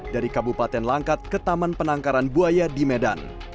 dari kabupaten langkat ke taman penangkaran buaya di medan